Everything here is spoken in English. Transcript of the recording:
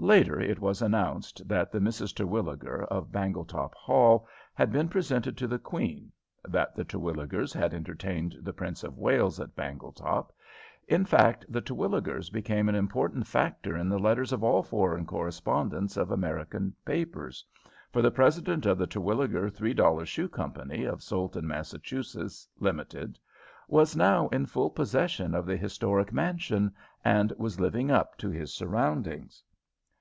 Later it was announced that the Misses Terwilliger, of Bangletop Hall, had been presented to the queen; that the Terwilligers had entertained the Prince of Wales at Bangletop; in fact, the Terwilligers became an important factor in the letters of all foreign correspondents of American papers, for the president of the Terwilliger Three dollar Shoe Company, of Soleton, Massachusetts (Limited), was now in full possession of the historic mansion, and was living up to his surroundings.